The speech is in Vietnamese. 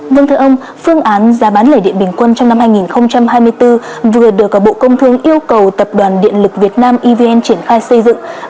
vâng thưa ông phương án giá bán lẻ điện bình quân trong năm hai nghìn hai mươi bốn vừa được bộ công thương yêu cầu tập đoàn điện lực việt nam evn triển khai xây dựng